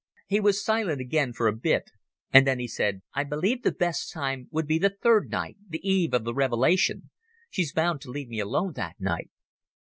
He was silent again for a bit, and then he said: "I believe the best time would be the third night, the eve of the Revelation. She's bound to leave me alone that night."